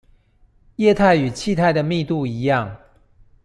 液態與氣態的密度一樣